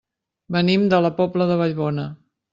Venim de la Pobla de Vallbona.